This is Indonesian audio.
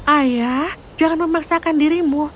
ayah jangan memaksakan dirimu